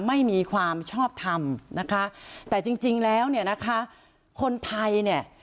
ไม่มีความชอบทำนะคะแต่จริงจริงแล้วเนี่ยนะคะคนไทยเนี่ย